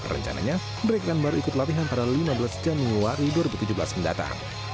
rencananya mereka akan berikut latihan pada lima belas januari dua ribu tujuh belas mendatang